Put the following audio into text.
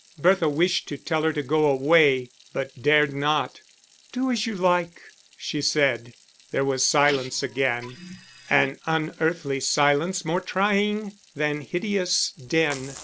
Bertha wished to tell her to go away, but dared not. "Do as you like," she said. There was silence again, an unearthly silence more trying than hideous din.